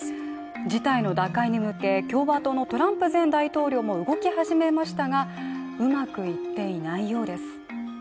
事態の打開に向け、共和党のトランプ前大統領も動き始めましたがうまくいっていないようです。